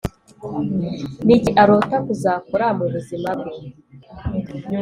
ni iki arota kuzakora mu buzima bwe?